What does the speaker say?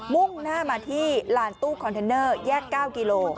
มุ่งหน้ามาที่ลานตู้คอนเทนเนอร์แยก๙กิโล